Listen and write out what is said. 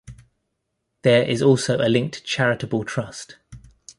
There is also a linked charitable trust.